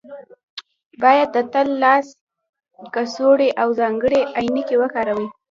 باید تل د لاس کڅوړې او ځانګړې عینکې وکاروئ